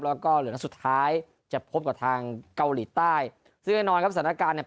แล้วก็เหลือนัดสุดท้ายจะพบกับทางเกาหลีใต้ซึ่งแน่นอนครับสถานการณ์เนี่ย